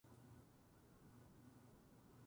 私は、営業アシスタントをしています。